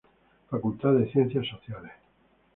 Facultad de Ciencias Sociales.